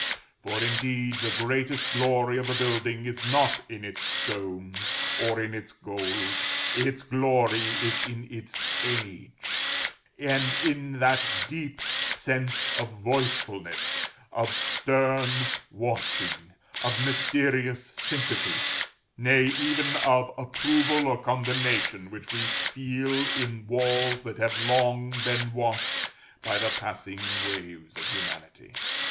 For, indeed, the greatest glory of a building is not in its stones, or in its gold. Its glory is in its Age, and in that deep sense of voicefulness, of stern watching, of mysterious sympathy, nay, even of approval or condemnation, which we feel in walls that have long been washed by the passing waves of humanity.